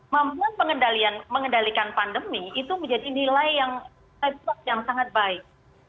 mampuan pengendalian mengendalikan pandemi itu menjadi nilai yang hebat yang sangat baik